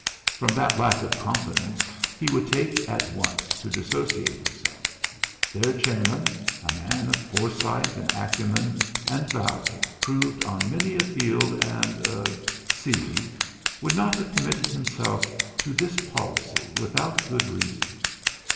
From that lack of confidence he would like at once to dissociate himself. Their chairman, a man of foresight and acumen, and valour proved on many a field and er sea, would not have committed himself to this policy without good reason.